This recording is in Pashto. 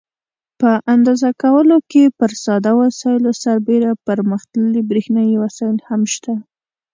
په اندازه کولو کې پر ساده وسایلو سربیره پرمختللي برېښنایي وسایل هم شته.